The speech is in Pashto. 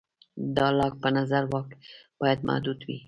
د لاک په نظر واک باید محدود وي.